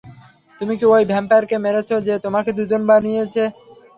তুমি কি ঐ ভ্যাম্পায়ারকে মেরেছ যে তোমাদের দুজনকে বানিয়েছে?